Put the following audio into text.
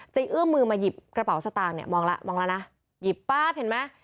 เอื้อมมือมาหยิบกระเป๋าสตางค์เนี่ยมองแล้วมองแล้วนะหยิบป๊าบเห็นไหม